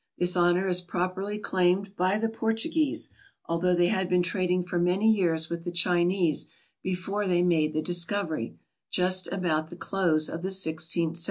This honour is properly claimed by the Portuguese, although they had been trading for many years with the Chinese before they made the discovery, just about the close of the sixteenth century.